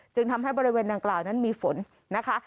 จึงทำให้บริเวณดังกล่าวนั้นมีฝนนะคะ